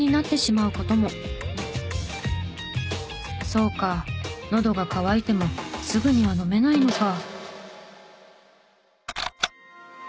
そうかのどが渇いてもすぐには飲めないのか。